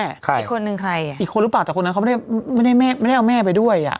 อีกคนนึงใครอีกคนหรือเปล่าแต่คนนั้นเขาไม่ได้เอาแม่ไปด้วย